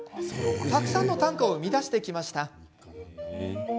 たくさんの短歌を生み出してきました。